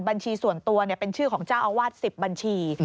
บัญชีส่วนตัวเป็นชื่อของเจ้าอาวาส๑๐บัญชี